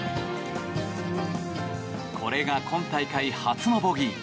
これが今大会初のボギー。